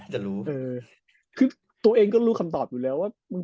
ส่วนตัวเองก็รู้คำตอบอยู่แล้วว่า